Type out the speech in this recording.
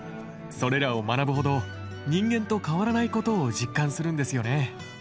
それらを学ぶほど人間と変わらないことを実感するんですよね。